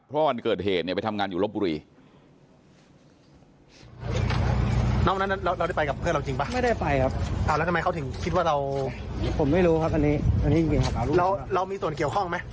เพราะวันเกิดเหตุเนี่ยไปทำงานอยู่ลบบุรี